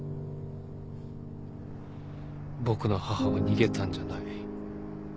僕の母は逃げたんじゃない。